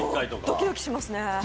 ドキドキしますね。